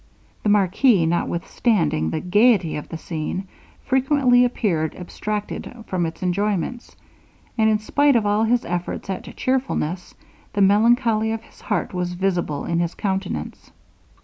The marquis, notwithstanding the gaiety of the scene, frequently appeared abstracted from its enjoyments, and in spite of all his efforts at cheerfulness, the melancholy of his heart was visible in his countenance.